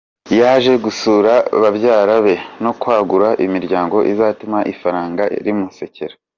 Yaje gusura babyara be no kwagura imiryango izatuma ifaranga rimusekera.